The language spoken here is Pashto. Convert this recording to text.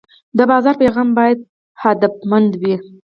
د بازار پیغام باید هدفمند وي.